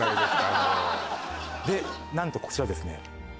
もうで何とこちらですね